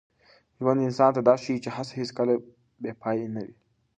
ژوند انسان ته دا ښيي چي هڅه هېڅکله بې پایلې نه وي.